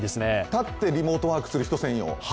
立ってリモートワークする人専用？